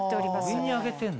上に上げてんだ。